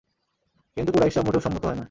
কিন্তু কুরাইশরা মোটেও সম্মত হয় না।